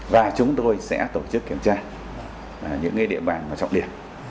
và chúng tôi sẽ tổ chức kiểm tra những nơi địa bàn và trọng điểm